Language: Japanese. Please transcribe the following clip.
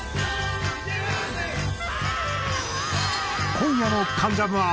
今夜の『関ジャム』は。